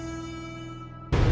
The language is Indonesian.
nih ini udah gampang